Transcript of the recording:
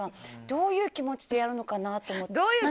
どういう気持ちでやるのかなって思って。